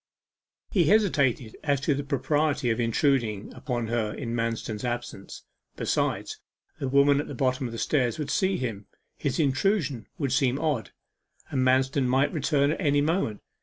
He hesitated as to the propriety of intruding upon her in Manston's absence. Besides, the women at the bottom of the stairs would see him his intrusion would seem odd and Manston might return at any moment.